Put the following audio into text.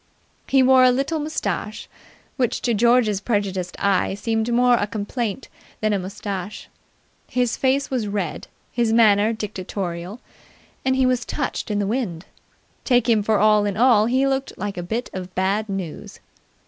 He wore a little moustache, which to George's prejudiced eye seemed more a complaint than a moustache. His face was red, his manner dictatorial, and he was touched in the wind. Take him for all in all he looked like a bit of bad news.